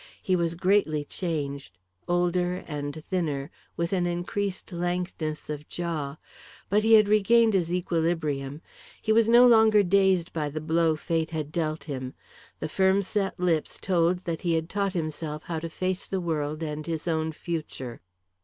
He was greatly changed older and thinner, with an increased lankness of jaw; but he had regained his equilibrium. He was no longer dazed by the blow fate had dealt him. The firm set lips told that he had taught himself how to face the world and his own future.